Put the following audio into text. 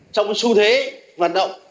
trong su thế hoạt động